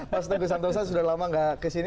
mas teguh santosa sudah lama nggak kesini